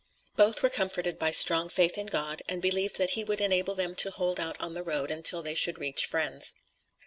Both were comforted by strong faith in God, and believed that He would enable them to hold out on the road until they should reach friends.